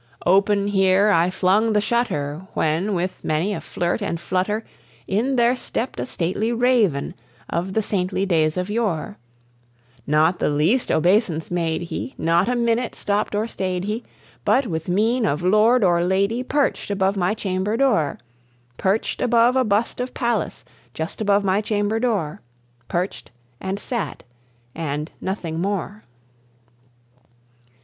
Open here I flung the shutter, when, with many a flirt and flutter, In there stepped a stately Raven, of the saintly days of yore; Not the least obeisance made he, not a minute stopped or stayed he; But with mien of lord or lady, perched above my chamber door Perched above a bust of Pallas, just above my chamber door Perched, and sat, and nothing more.